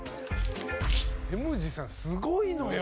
ヘムジさんすごいのよ。